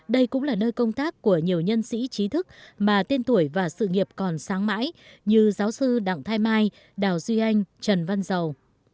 đây cũng là nơi công tác của nhiều nhân sĩ trí thức mà tên tuổi và sự nghiệp còn sáng mãi như giáo sư đặng thái mai đào duy anh trần văn dầu